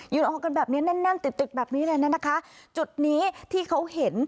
ออกกันแบบเนี้ยแน่นแน่นติดติดแบบนี้เลยนะคะจุดนี้ที่เขาเห็น